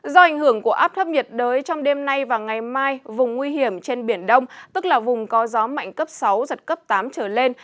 do ảnh hưởng của áp thấp nhiệt đới trong đêm nay và ngày mai vùng nguy hiểm trên biển đông tức là vùng có gió mạnh cấp sáu giật cấp tám trở lên